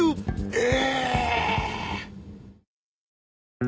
え！